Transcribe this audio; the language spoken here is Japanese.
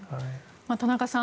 田中さん